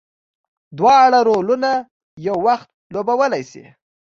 دواړه رولونه په یو وخت لوبولی شي.